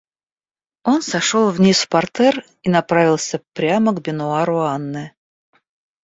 Он сошел вниз в партер и направился прямо к бенуару Анны.